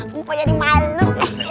bukan jadi malu